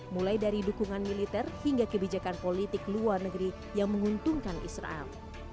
mulai dari dukungan militer hingga kebijakan politik luar negeri yang menguntungkan israel